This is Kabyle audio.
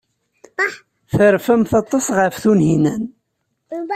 Terfamt aṭas ɣef Tunhinan.